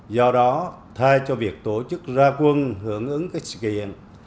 do đó thay cho việc tổ chức ra quân hưởng ứng sự kiện